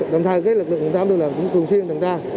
đồng thời lực lượng chúng ta cũng được làm thường xuyên từng ta